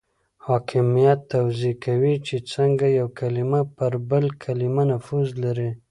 حاکمیت توضیح کوي چې څنګه یو کلمه پر بل کلمه نفوذ لري.